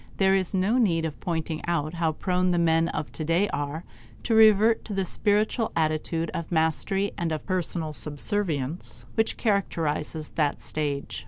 There is no need of pointing out how prone the men of today are to revert to the spiritual attitude of mastery and of personal subservience which characterizes that stage.